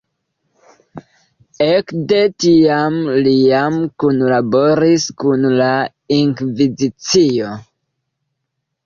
Ekde tiam li jam kunlaboris kun la Inkvizicio.